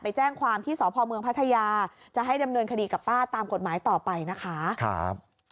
แจ้งความที่สพเมืองพัทยาจะให้ดำเนินคดีกับป้าตามกฎหมายต่อไปนะคะครับ